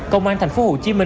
công an tp hcm